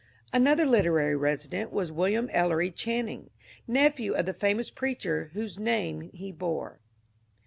Anotber literary resident was William Ellery Channing, nephew of the famous preacher whose name be bore.